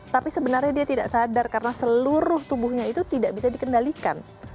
tapi sebenarnya dia tidak sadar karena seluruh tubuhnya itu tidak bisa dikendalikan